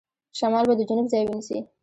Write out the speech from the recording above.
شمال به د جنوب ځای ونیسي.